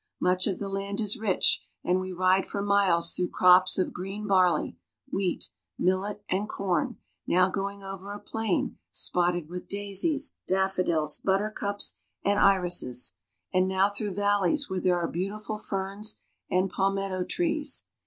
Much fejQf the land is rich, and we ride for miles through crops of jreen barley, wheat, millet, and corn, now going ov< Ip^n spotted with daisies, daffodils, buttercups, and iri Tind now through valleys where there are beautiful ferns and palmetto trees.